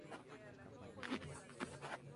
La canción habla de Joe.